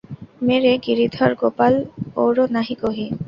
মেরে গিরিধর গোপাল, ঔর নাহি কোহি।